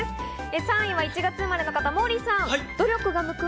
３位は１月生まれの方、モーリーさん。